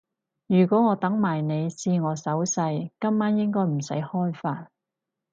如果我等埋你試我手勢，今晚應該唔使開飯